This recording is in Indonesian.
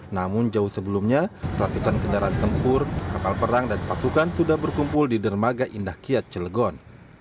namun jauh sebelumnya ratusan kendaraan tempur kapal perang dan pasukan sudah berkumpul di dermaga indah kiat celegon